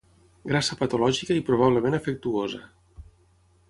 Grassa patològica i probablement afectuosa.